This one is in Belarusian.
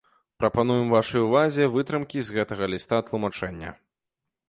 Прапануем вашай увазе вытрымкі з гэтага ліста-тлумачэння.